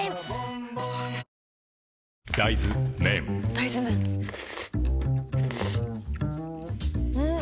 大豆麺ん？